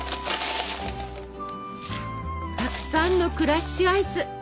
たくさんのクラッシュアイス！